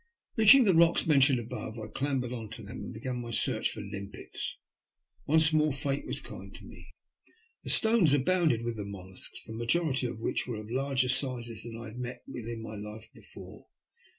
• Beaching the rocks mentioned above, I clambered on to them and began my search for limpets. Once more Fate was kind to me. The stones abounded with the molluscs, the majority of which were of larger sizes than I had met with in my life before.